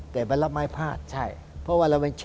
แต่ไปรับไม้ผ้า